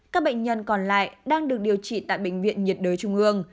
các bệnh nhân còn lại đang được điều trị tại bệnh viện nhiệt đới trung ương